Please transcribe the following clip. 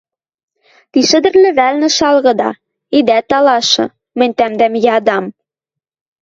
ти шӹдӹр лӹвӓлнӹ шалгалалда, идӓ талашы, мӹнь тӓмдӓм ядам!